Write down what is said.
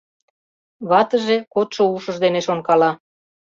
Ватыже кодшо ушыж дене шонкала.